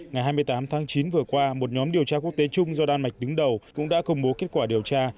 ngày hai mươi tám tháng chín vừa qua một nhóm điều tra quốc tế chung do đan mạch đứng đầu cũng đã công bố kết quả điều tra